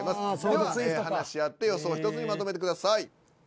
では話し合って予想を１つにまとめてください。